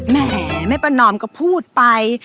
แหมแม่ปะนอมก็พูดไป